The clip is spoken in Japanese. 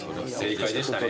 正解でしたね。